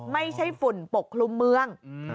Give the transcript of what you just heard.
ไม่ใช่ฝุ่นปกคลุมเมือง